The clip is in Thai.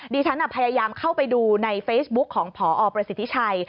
ฉันพยายามเข้าไปดูในเฟซบุ๊กของพอประสิทธิชัย